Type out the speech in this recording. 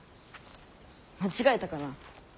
間違えたかな？